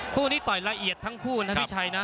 คู่นี้ต่อยละเอียดทั้งคู่นะพี่ชัยนะ